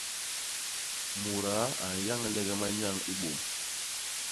Mudaa a nyañlege manyañ i bôm.